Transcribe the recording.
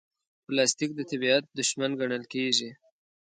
پلاستيک د طبیعت دښمن ګڼل کېږي.